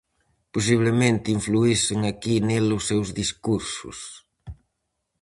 Posiblemente influísen aquí nel os seus discursos.